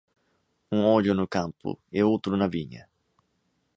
Um olho no campo e outro na vinha.